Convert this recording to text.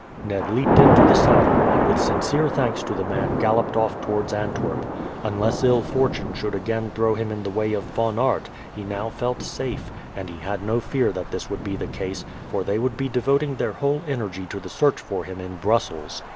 Ned leaped into the saddle, and with sincere thanks to the man galloped off towards Antwerp. Unless ill fortune should again throw him in the way of Von Aert he now felt safe; and he had no fear that this would be the case, for they would be devoting their whole energy to the search for him in Brussels.